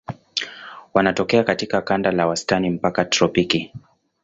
Wanatokea katika kanda za wastani mpaka tropiki.